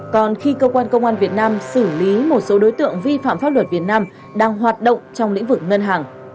còn khi cơ quan công an việt nam xử lý một số đối tượng vi phạm pháp luật việt nam đang hoạt động trong lĩnh vực ngân hàng